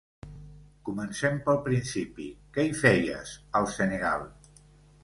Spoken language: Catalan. Comencem pel principi, què hi feies al Senegal?